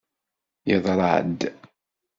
Yeḍra-d.